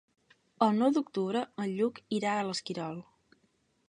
El nou d'octubre en Lluc irà a l'Esquirol.